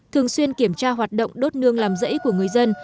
thường xuyên kiểm tra hoạt động đốt nương làm rẫy của người dân